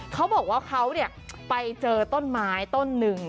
เขาบอกว่าเขาไปเจอต้นไม้ต้นหนึ่ง